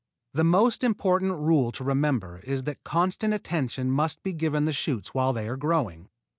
The most important rule to remember is that constant attention must be given the shoots while they are growing.